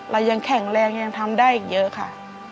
เรายังแข็งแรงยังทำได้อีกเยอะค่ะ